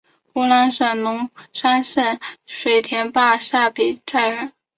湖南省龙山县水田坝下比寨人。